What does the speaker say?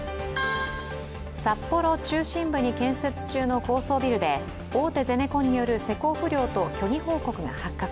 札幌中心部に建設中の高層ビルで大手ゼネコンによる施工不良と虚偽記載が発覚。